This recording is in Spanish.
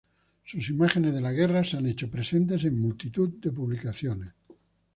Sus imágenes de la guerra se han hecho presentes en multitud de publicaciones.